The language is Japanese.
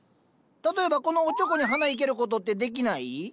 例えばこのおちょこに花生けることってできない？